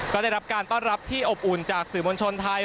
ก็ได้รับการต้อนรับที่อบอุ่นจากสื่อมวลชนไทย